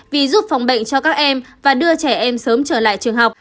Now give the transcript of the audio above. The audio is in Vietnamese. vì giúp phòng bệnh cho các em và đưa trẻ em sớm trở lại trường học